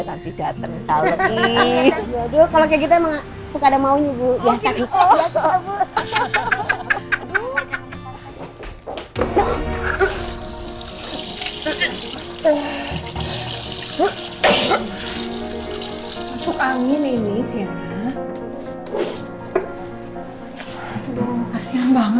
nanti datang saluri ya udah kalau kayak kita suka dan maunya bu ya takut ya soal bu